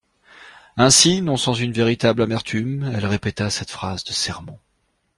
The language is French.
Ainsi, non sans une véritable amertume, elle répéta cette phrase de sermon.